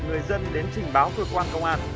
người dân đến trình báo cơ quan công an